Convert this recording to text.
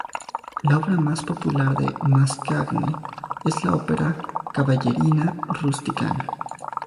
La obra más popular de Mascagni es la ópera "Cavalleria Rusticana".